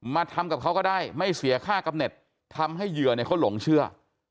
มาทำกับเขาก็ได้ไม่เสียค่ากำเน็ตทำให้เหยื่อเนี่ยเขาหลงเชื่อ